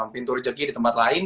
pintu rejeki di tempat lain